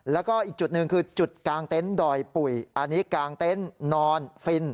แล้วก็อีกจุดหนึ่งคือจุดกลางเต็นต์ดอยปุ๋ยอันนี้กางเต็นต์นอนฟิน